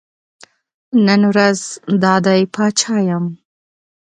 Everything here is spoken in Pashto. نن ورځ دا دی پاچا یم.